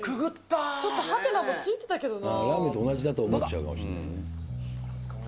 ちょっとはてなもついてたけどな。